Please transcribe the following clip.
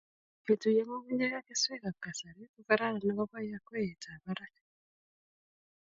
Ketuyo ng'ung'unyek ak keswek ab kasari ko karan akobo yakweyet ab barak